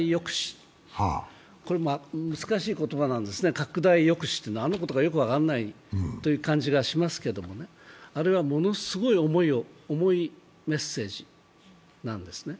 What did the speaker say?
これ難しい言葉なんですね、拡大抑止、何のことか分からないという気がしますがあれはものすごい重いメッセージなんですね。